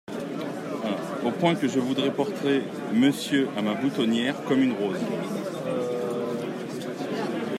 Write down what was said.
Au point que je voudrais porter Monsieur à ma boutonnière… comme une rose…